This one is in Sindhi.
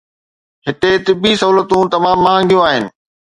هتي طبي سهولتون تمام مهانگيون آهن.